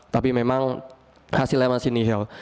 tapi memang hasilnya masih nihil